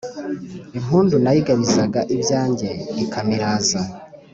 Ingundu nayigabizaga ibyanjye ikamiraza